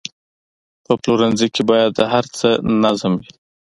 په پلورنځي کې باید د هر څه نظم وي.